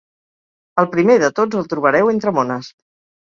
El primer de tots el trobareu entre mones.